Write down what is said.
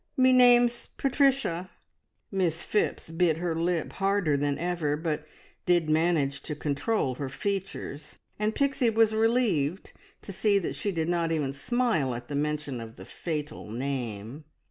Me name's Patricia!" Miss Phipps bit her lip harder than ever, but did managed to control her features, and Pixie was relieved to see that she did not even smile at the mention of the fatal name.